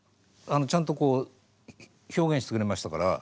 ちゃんとこう表現してくれましたから。